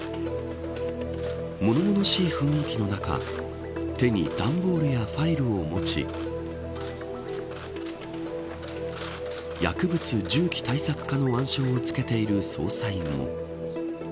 物々しい雰囲気の中手に段ボールやファイルを持ち薬物銃器対策課の腕章を着けている捜査員も。